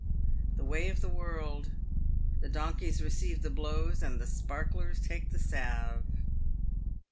The way of the world — the donkeys receive the blows and the Sparklers take the salve.